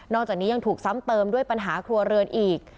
จากนี้ยังถูกซ้ำเติมด้วยปัญหาครัวเรือนอีก